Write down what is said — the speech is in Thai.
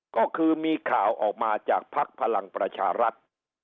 ก็คือมีข่าวออกมาจากภักดิ์พลังประชารัฐ